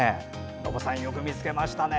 ノボさん、よく見つけましたね。